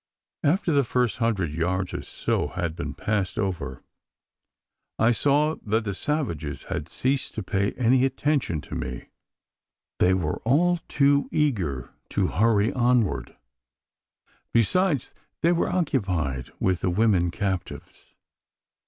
After the first hundred yards or so had been passed over, I saw that the savages had ceased to pay any attention to me. They were all too eager to hurry onward; besides, they were occupied with the women captives.